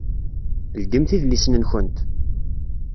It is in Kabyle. Ldimt idlisen-nkent!